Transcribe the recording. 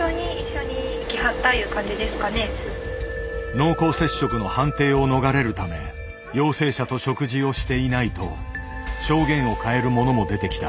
濃厚接触の判定を逃れるため陽性者と食事をしていないと証言を変える者も出てきた。